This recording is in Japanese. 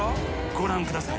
ご覧ください。